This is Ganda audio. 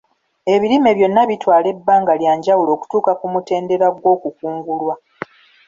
Ebirime byonna bitwala ebbanga lya njawulo okutuuka ku mutendera gw'okukungulwa.